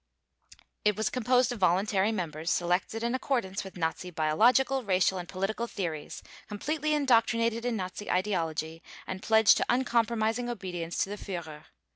It was composed of voluntary members, selected in accordance with Nazi biological, racial, and political theories, completely indoctrinated in Nazi ideology and pledged to uncompromising obedience to the Führer.